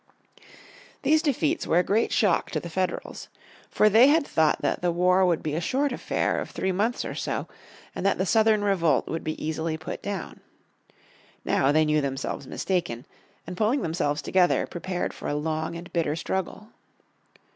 These defeats were a great shock to the Federals. For they had thought that the war would be a short affair of three months or so, and that the Southern revolt would be easily put down. Now they knew themselves mistaken, and pulling themselves together, prepared for a long and bitter struggle.